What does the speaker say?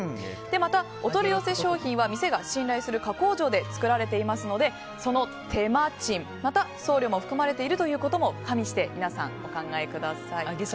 また、お取り寄せ商品は店が信頼する加工場で作られていますのでその手間賃、また送料も含まれているということも加味して、お考えください。